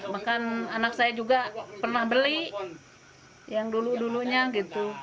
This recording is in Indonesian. bahkan anak saya juga pernah beli yang dulu dulunya gitu